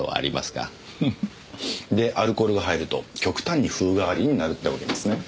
フフでアルコールが入ると極端に風変わりになるってわけですね。